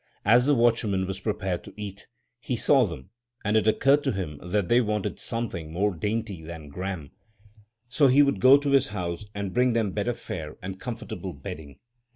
As the watchman was preparing to eat, he saw them, and it occurred to him that they wanted something more dainty than gram, so he would go to his house and bring them better fare and comfortable bedding.